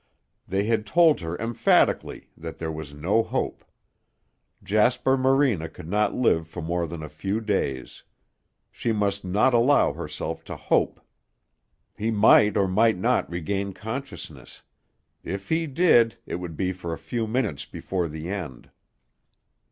They had told her emphatically that there was no hope. Jasper Morena could not live for more than a few days. She must not allow herself to hope. He might or might not regain consciousness. If he did, it would be for a few minutes before the end.